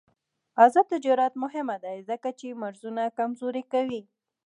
آزاد تجارت مهم دی ځکه چې مرزونه کمزوري کوي.